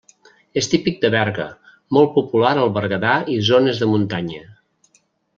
És típic de Berga, molt popular al Berguedà i zones de muntanya.